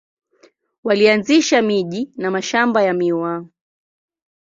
Walianzisha miji na mashamba ya miwa.